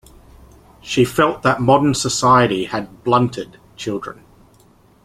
She felt that modern society had "blunted" children.